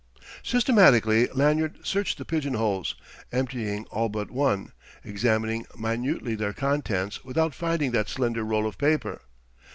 Systematically Lanyard searched the pigeonholes, emptying all but one, examining minutely their contents without finding that slender roll of paper.